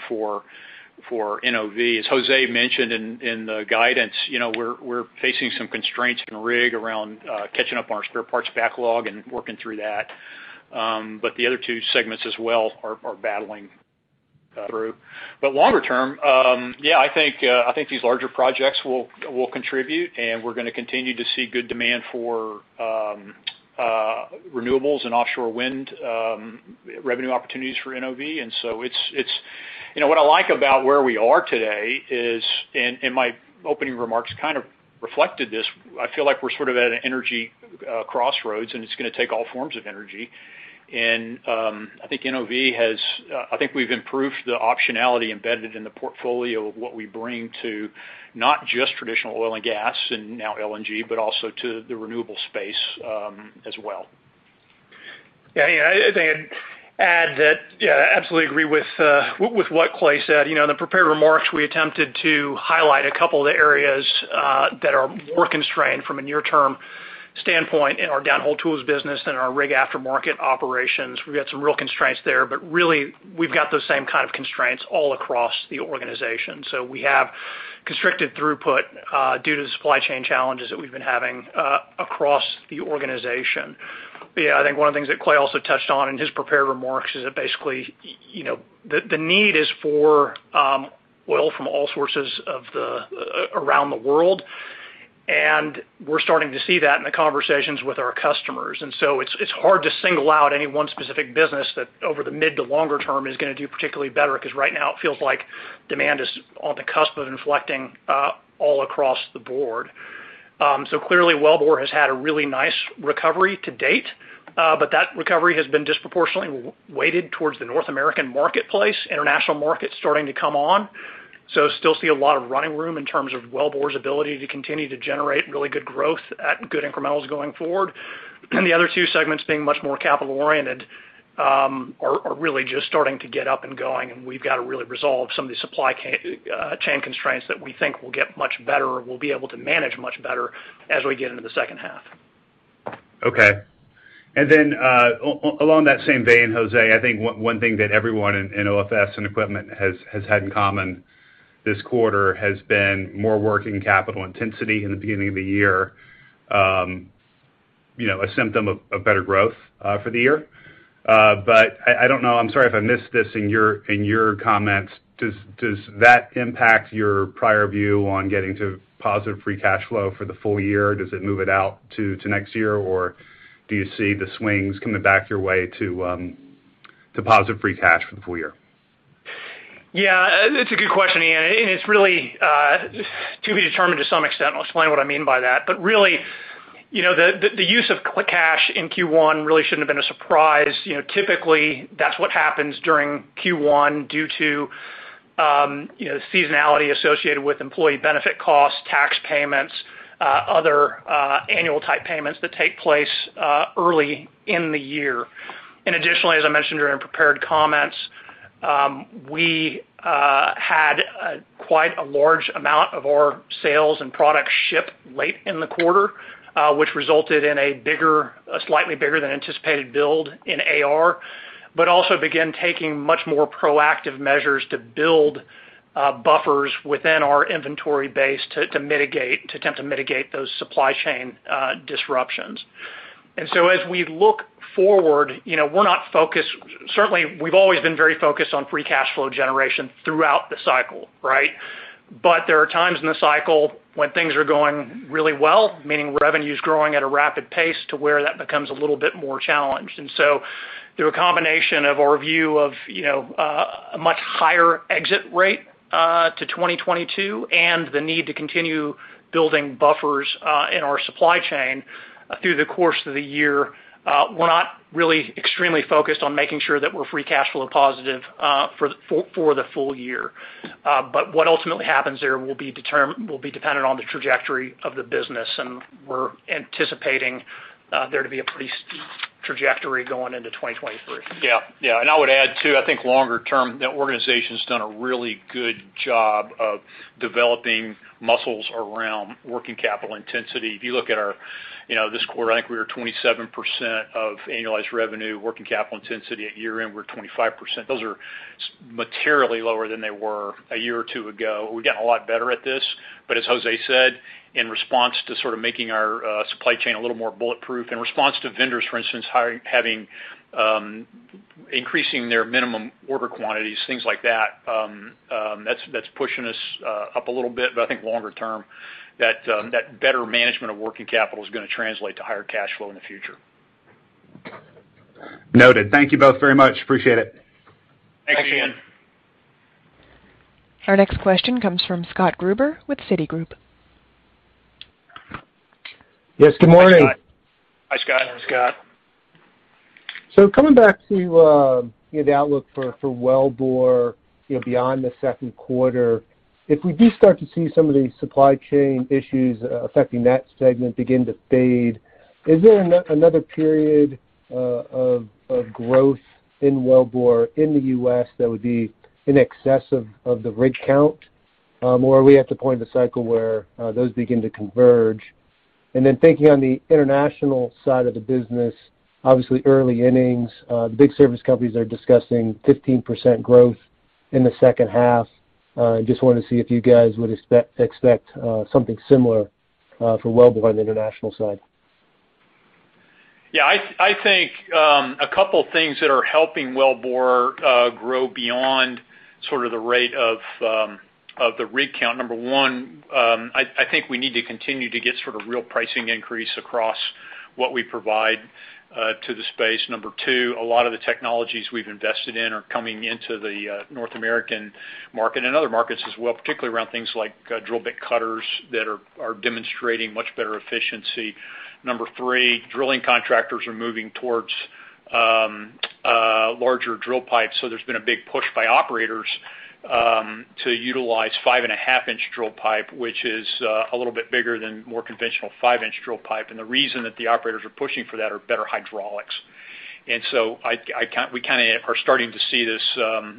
for NOV. As Jose mentioned in the guidance, you know, we're facing some constraints in Rig around catching up on our spare parts backlog and working through that. But the other two segments as well are battling through. Longer term, yeah, I think these larger projects will contribute, and we're gonna continue to see good demand for renewables and offshore wind revenue opportunities for NOV. You know, what I like about where we are today is, and my opening remarks kind of reflected this, I feel like we're sort of at an energy crossroads, and it's gonna take all forms of energy. I think we've improved the optionality embedded in the portfolio of what we bring to not just traditional oil and gas and now LNG, but also to the renewable space, as well. Yeah. Ian, I think I'd add that. Yeah, I absolutely agree with what Clay said. You know, in the prepared remarks, we attempted to highlight a couple of the areas that are more constrained from a near-term standpoint in our Downhole Tools business and our Rig aftermarket operations. We've got some real constraints there, but really we've got those same kind of constraints all across the organization. We have constricted throughput due to the supply chain challenges that we've been having across the organization. Yeah, I think one of the things that Clay also touched on in his prepared remarks is that basically, you know, the need is for oil from all sources around the world, and we're starting to see that in the conversations with our customers. It's hard to single out any one specific business that over the mid to longer term is gonna do particularly better, because right now it feels like demand is on the cusp of inflecting all across the board. Clearly Wellbore has had a really nice recovery to date, but that recovery has been disproportionately weighted towards the North American marketplace. International market's starting to come on. Still see a lot of running room in terms of Wellbore's ability to continue to generate really good growth at good incrementals going forward. The other two segments being much more capital oriented, are really just starting to get up and going, and we've got to really resolve some of the supply chain constraints that we think will get much better or we'll be able to manage much better as we get into the second half. Okay, along that same vein, Jose, I think one thing that everyone in OFS and equipment has had in common this quarter has been more working capital intensity in the beginning of the year. You know, a symptom of better growth for the year. I don't know. I'm sorry if I missed this in your comments. Does that impact your prior view on getting to positive free cash flow for the full year? Does it move it out to next year, or do you see the swings coming back your way to positive free cash for the full year? Yeah. It's a good question, Ian, and it's really to be determined to some extent, and I'll explain what I mean by that. Really, you know, the use of cash in Q1 really shouldn't have been a surprise. You know, typically, that's what happens during Q1 due to you know, seasonality associated with employee benefit costs, tax payments, other annual type payments that take place early in the year. Additionally, as I mentioned during prepared comments, we had quite a large amount of our sales and products shipped late in the quarter, which resulted in a slightly bigger than anticipated build in AR, but also began taking much more proactive measures to build buffers within our inventory base to attempt to mitigate those supply chain disruptions. As we look forward, you know, we're not focused. Certainly, we've always been very focused on free cash flow generation throughout the cycle, right? But there are times in the cycle when things are going really well, meaning revenue is growing at a rapid pace to where that becomes a little bit more challenged. Through a combination of our view of, you know, a much higher exit rate to 2022 and the need to continue building buffers in our supply chain through the course of the year, we're not really extremely focused on making sure that we're free cash flow positive for the full year. What ultimately happens there will be dependent on the trajectory of the business, and we're anticipating there to be a pretty steep trajectory going into 2023. I would add, too, I think longer term, the organization's done a really good job of developing muscles around working capital intensity. If you look at our, you know, this quarter, I think we were 27% of annualized revenue, working capital intensity. At year-end, we're 25%. Those are materially lower than they were a year or two ago. We've gotten a lot better at this. As Jose said, in response to sort of making our supply chain a little more bulletproof, in response to vendors, for instance, having increasing their minimum order quantities, things like that's pushing us up a little bit. I think longer term, that better management of working capital is gonna translate to higher cash flow in the future. Noted. Thank you both very much. Appreciate it. Thank you. Thanks again. Our next question comes from Scott Gruber with Citigroup. Yes, good morning. Hi, Scott. Morning, Scott. Coming back to the outlook for Wellbore beyond the second quarter, if we do start to see some of these supply chain issues affecting that segment begin to fade, is there another period of growth in Wellbore in the U.S. that would be in excess of the rig count? Or are we at the point of the cycle where those begin to converge? Thinking on the international side of the business, obviously early innings, big service companies are discussing 15% growth in the second half. Just wanted to see if you guys would expect something similar for Wellbore on the international side. Yeah. I think a couple things that are helping Wellbore grow beyond sort of the rate of the rig count. Number one, I think we need to continue to get sort of real pricing increase across what we provide to the space. Number two, a lot of the technologies we've invested in are coming into the North American market and other markets as well, particularly around things like drill bit cutters that are demonstrating much better efficiency. Number three, drilling contractors are moving towards larger drill pipes. So there's been a big push by operators to utilize 5.5-inch drill pipe, which is a little bit bigger than more conventional 5-inch drill pipe. The reason that the operators are pushing for that are better hydraulics. We kinda are starting to see this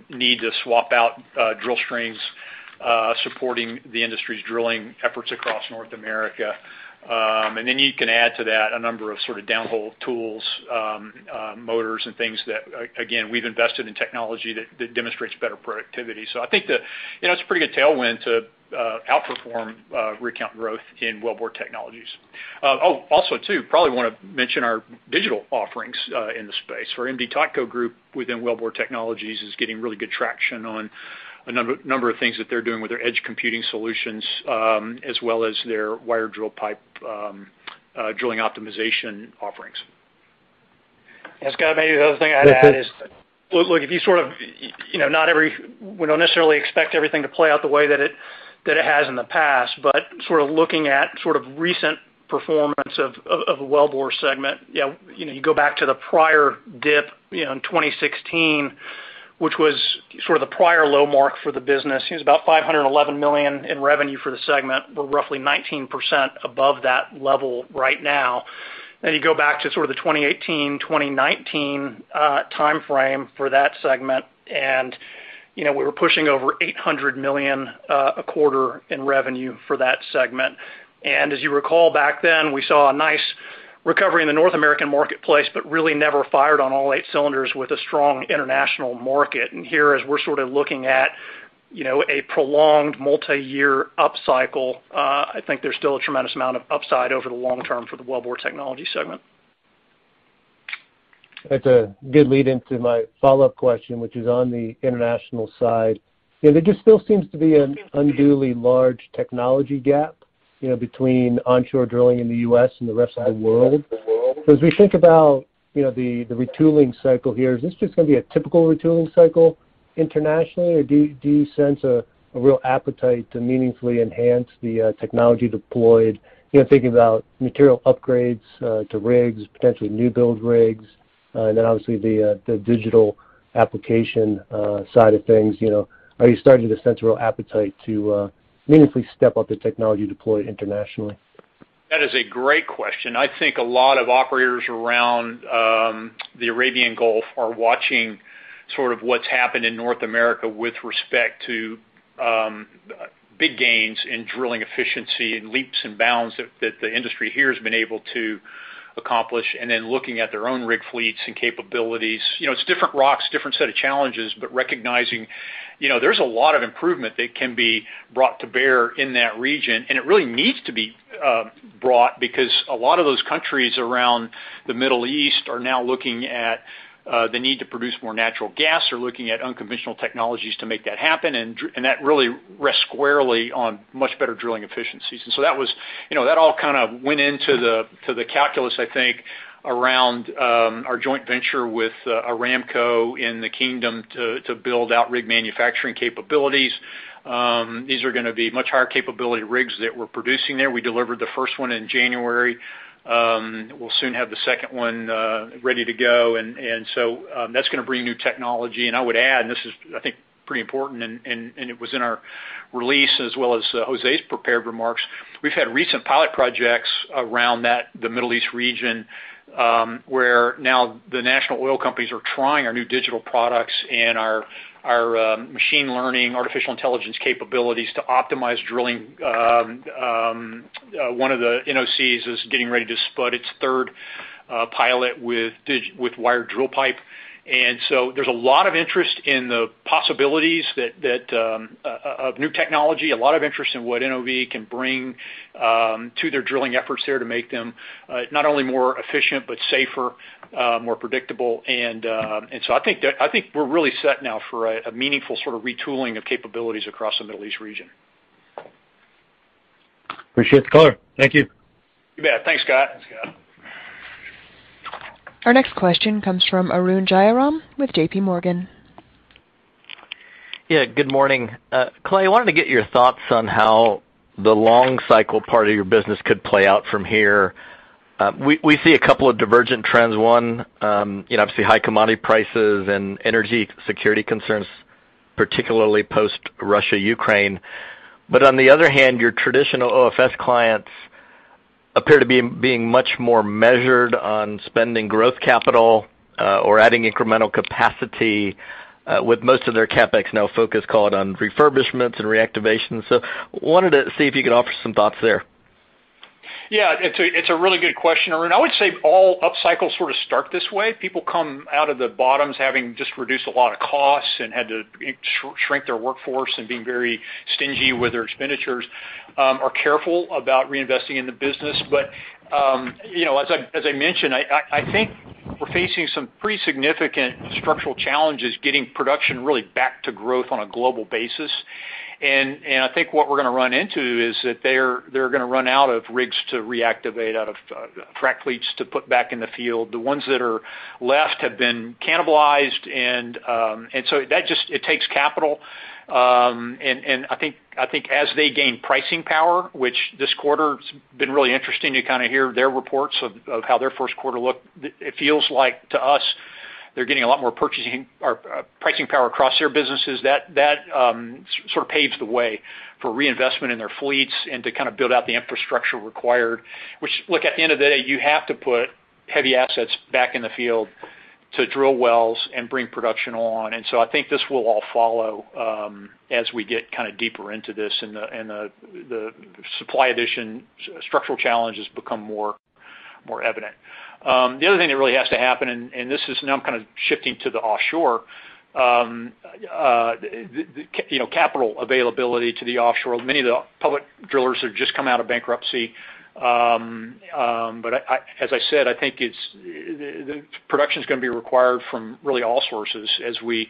need to swap out drill strings supporting the industry's drilling efforts across North America. You can add to that a number of sort of downhole tools, motors and things that again we've invested in technology that demonstrates better productivity. I think, you know, it's a pretty good tailwind to outperform rig count growth in Wellbore Technologies. Also too, probably wanna mention our digital offerings in the space. Our M/D Totco group within Wellbore Technologies is getting really good traction on a number of things that they're doing with their edge computing solutions, as well as their wired drill pipe drilling optimization offerings. Scott, maybe the other thing I'd add is, look, if you sort of you know, we don't necessarily expect everything to play out the way that it has in the past, but sort of looking at sort of recent performance of the Wellbore segment, you know, you go back to the prior dip, you know, in 2016, which was sort of the prior low mark for the business. It was about $511 million in revenue for the segment. We're roughly 19% above that level right now. Then you go back to sort of the 2018, 2019 timeframe for that segment, and, you know, we were pushing over $800 million a quarter in revenue for that segment. As you recall back then, we saw a nice recovery in the North American marketplace, but really never fired on all eight cylinders with a strong international market. Here, as we're sort of looking at, you know, a prolonged multi-year upcycle, I think there's still a tremendous amount of upside over the long term for the Wellbore Technologies segment. That's a good lead into my follow-up question, which is on the international side. You know, there just still seems to be an unduly large technology gap, you know, between onshore drilling in the US and the rest of the world. As we think about, you know, the retooling cycle here, is this just gonna be a typical retooling cycle internationally, or do you sense a real appetite to meaningfully enhance the technology deployed? You know, thinking about material upgrades to rigs, potentially new build rigs, and then obviously the digital application side of things. You know, are you starting to sense real appetite to meaningfully step up the technology deployed internationally? That is a great question. I think a lot of operators around the Arabian Gulf are watching sort of what's happened in North America with respect to big gains in drilling efficiency and leaps and bounds that the industry here has been able to accomplish and then looking at their own rig fleets and capabilities. You know, it's different rocks, different set of challenges, but recognizing, you know, there's a lot of improvement that can be brought to bear in that region, and it really needs to be brought because a lot of those countries around the Middle East are now looking at the need to produce more natural gas. They're looking at unconventional technologies to make that happen, and that really rests squarely on much better drilling efficiencies. That was you know, that all kind of went into the to the calculus, I think, around our joint venture with Aramco in the Kingdom to build out rig manufacturing capabilities. These are gonna be much higher capability rigs that we're producing there. We delivered the first one in January. We'll soon have the second one ready to go. That's gonna bring new technology. I would add, and this is, I think, pretty important and it was in our release as well as Jose's prepared remarks, we've had recent pilot projects around the Middle East region, where now the national oil companies are trying our new digital products and our machine learning, artificial intelligence capabilities to optimize drilling. One of the NOCs is getting ready to spud its third pilot with wired drill pipe. There's a lot of interest in the possibilities of new technology, a lot of interest in what NOV can bring to their drilling efforts there to make them not only more efficient but safer, more predictable. I think we're really set now for a meaningful sort of retooling of capabilities across the Middle East region. Appreciate the color. Thank you. You bet. Thanks, Scott. Thanks, Scott. Our next question comes from Arun Jayaram with JP Morgan. Yeah, good morning. Clay, I wanted to get your thoughts on how the long cycle part of your business could play out from here. We see a couple of divergent trends. One, you know, obviously high commodity prices and energy security concerns, particularly post Russia-Ukraine. On the other hand, your traditional OFS clients appear to be much more measured on spending growth capital, or adding incremental capacity, with most of their CapEx now focused, call it, on refurbishments and reactivation. Wanted to see if you could offer some thoughts there. Yeah, it's a really good question, Arun. I would say all upcycles sort of start this way. People come out of the bottoms having just reduced a lot of costs and had to shrink their workforce and being very stingy with their expenditures are careful about reinvesting in the business. You know, as I mentioned, I think we're facing some pretty significant structural challenges getting production really back to growth on a global basis. I think what we're gonna run into is that they're gonna run out of rigs to reactivate, out of frack fleets to put back in the field. The ones that are left have been cannibalized, and so that just. It takes capital. I think as they gain pricing power, which this quarter's been really interesting to kind of hear their reports of how their first quarter looked, it feels like to us they're getting a lot more pricing power across their businesses. That sort of paves the way for reinvestment in their fleets and to kind of build out the infrastructure required, which, look, at the end of the day, you have to put heavy assets back in the field to drill wells and bring production on. I think this will all follow as we get kind of deeper into this and the supply chain structural challenges become more evident. The other thing that really has to happen, and this is now I'm kind of shifting to the offshore, the you know, capital availability to the offshore. Many of the public drillers have just come out of bankruptcy. I, as I said, I think it's the production's gonna be required from really all sources as we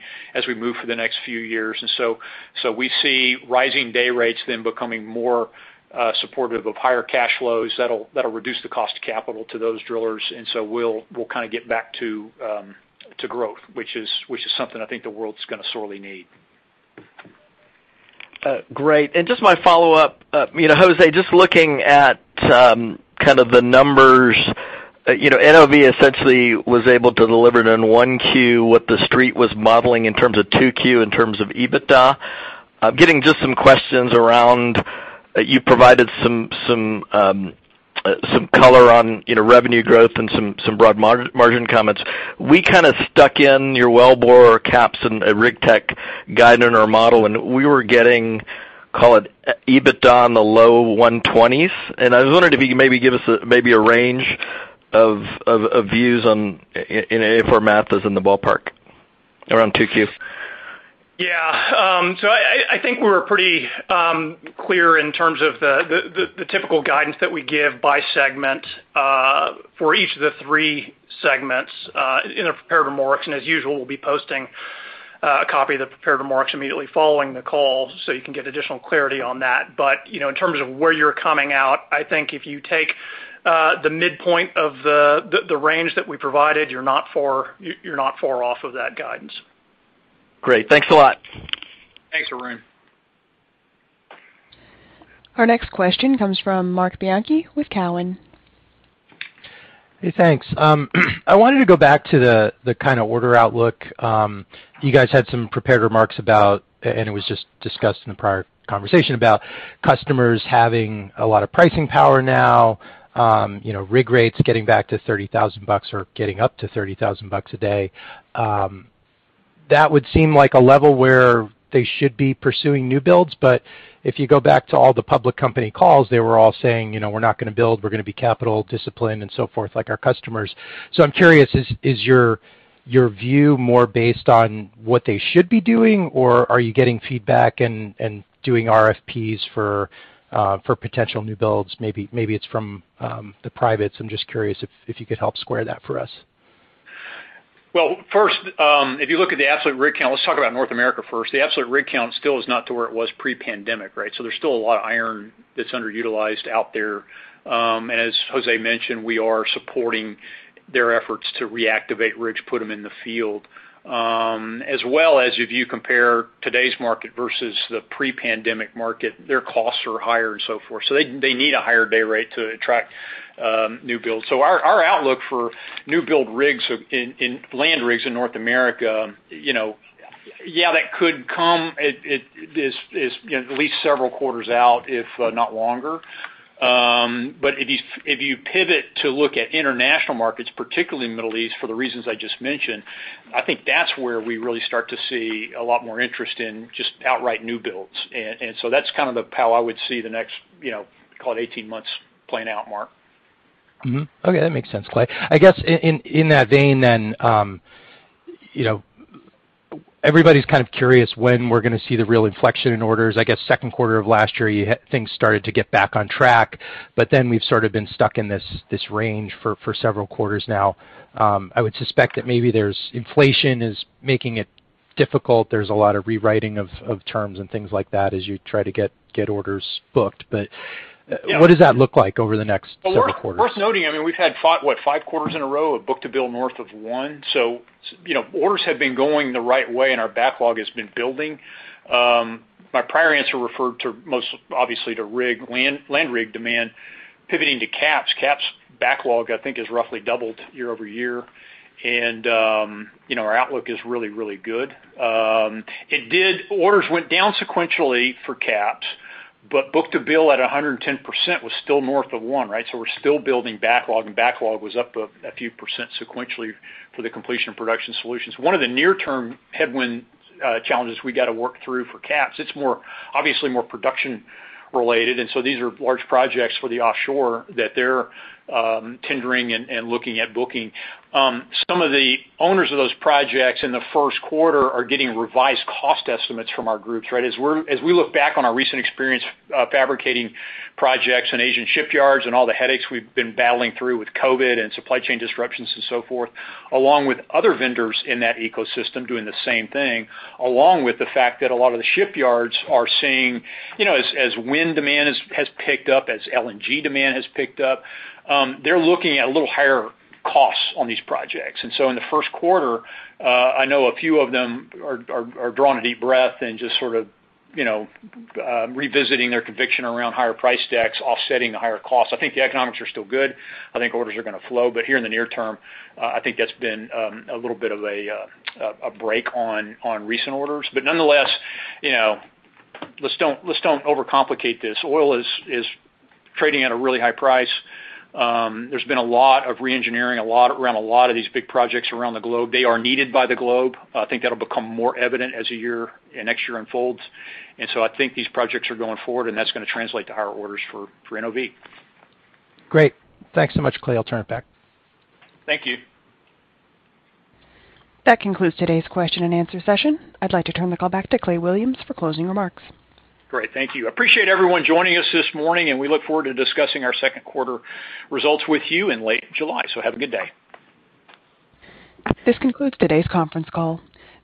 move for the next few years. We see rising day rates then becoming more supportive of higher cash flows. That'll reduce the cost of capital to those drillers. We'll kind of get back to growth, which is something I think the world's gonna sorely need. Great. Just my follow-up, you know, Jose, just looking at kind of the numbers, you know, NOV essentially was able to deliver it in 1Q what the Street was modeling in terms of 2Q in terms of EBITDA. I'm getting just some questions around, you provided some color on, you know, revenue growth and some broad margin comments. We kind of stuck in your Wellbore CAPS and Rig Technologies guidance in our model, and we were getting, call it, EBITDA in the low 120s. I was wondering if you could maybe give us a range of views on if our math is in the ballpark around 2Q. Yeah. So I think we're pretty clear in terms of the typical guidance that we give by segment for each of the three segments in our prepared remarks. As usual, we'll be posting a copy of the prepared remarks immediately following the call, so you can get additional clarity on that. You know, in terms of where you're coming out, I think if you take the midpoint of the range that we provided, you're not far off of that guidance. Great. Thanks a lot. Thanks, Arun. Our next question comes from Marc Bianchi with Cowen. Hey, thanks. I wanted to go back to the kind of order outlook. You guys had some prepared remarks about, and it was just discussed in the prior conversation, about customers having a lot of pricing power now, you know, rig rates getting back to $30,000 or getting up to $30,000 a day. That would seem like a level where they should be pursuing new builds. If you go back to all the public company calls, they were all saying, you know, "We're not gonna build. We're gonna be capital discipline and so forth, like our customers." I'm curious, is your view more based on what they should be doing, or are you getting feedback and doing RFPs for potential new builds? Maybe it's from the privates. I'm just curious if you could help square that for us. Well, first, if you look at the absolute rig count, let's talk about North America first. The absolute rig count still is not to where it was pre-pandemic, right? There's still a lot of iron that's underutilized out there. As Jos mentioned, we are supporting their efforts to reactivate rigs, put them in the field. As well as if you compare today's market versus the pre-pandemic market, their costs are higher and so forth, so they need a higher day rate to attract new builds. Our outlook for new build rigs in land rigs in North America, you know, yeah, that could come. It is, you know, at least several quarters out, if not longer. If you pivot to look at international markets, particularly Middle East, for the reasons I just mentioned, I think that's where we really start to see a lot more interest in just outright new builds. That's kind of how I would see the next, you know, call it 18 months playing out, Marc. Mm-hmm. Okay, that makes sense, Clay. I guess in that vein, you know, everybody's kind of curious when we're gonna see the real inflection in orders. I guess second quarter of last year, things started to get back on track, but we've sort of been stuck in this range for several quarters now. I would suspect that maybe inflation is making it difficult. There's a lot of rewriting of terms and things like that as you try to get orders booked. What does that look like over the next several quarters? Worth noting, I mean, we've had five quarters in a row of book-to-bill north of one. You know, orders have been going the right way, and our backlog has been building. My prior answer referred most obviously to land rig demand pivoting to CAPS. CAPS backlog, I think, has roughly doubled year-over-year. You know, our outlook is really, really good. Orders went down sequentially for CAPS, but book-to-bill at 110% was still north of one, right? We're still building backlog, and backlog was up a few percent sequentially for the Completion & Production Solutions. One of the near-term headwind, challenges we gotta work through for CAPS, it's more obviously more production related, and so these are large projects for the offshore that they're tendering and looking at booking. Some of the owners of those projects in the first quarter are getting revised cost estimates from our groups, right? As we look back on our recent experience fabricating projects in Asian shipyards and all the headaches we've been battling through with COVID and supply chain disruptions and so forth, along with other vendors in that ecosystem doing the same thing, along with the fact that a lot of the shipyards are seeing, you know, as wind demand has picked up, as LNG demand has picked up, they're looking at a little higher costs on these projects. In the first quarter, I know a few of them are drawing a deep breath and just sort of, you know, revisiting their conviction around higher price decks, offsetting the higher costs. I think the economics are still good. I think orders are gonna flow. But here in the near term, I think that's been a little bit of a break on recent orders. But nonetheless, you know, let's don't overcomplicate this. Oil is trading at a really high price. There's been a lot of re-engineering, a lot around a lot of these big projects around the globe. They are needed by the globe. I think that'll become more evident as the year and next year unfolds. I think these projects are going forward, and that's gonna translate to higher orders for NOV. Great. Thanks so much, Clay. I'll turn it back. Thank you. That concludes today's question and answer session. I'd like to turn the call back to Clay Williams for closing remarks. Great. Thank you. I appreciate everyone joining us this morning, and we look forward to discussing our second quarter results with you in late July. Have a good day. This concludes today's conference call.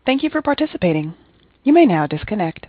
Thank you for participating. You may now disconnect.